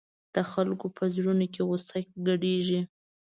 د خلکو په زړونو کې غوسه ګډېږي.